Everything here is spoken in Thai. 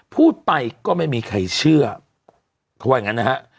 พูดไปก็ไม่มีใครเชื่อเขาว่าอย่างงั้นนะฮะ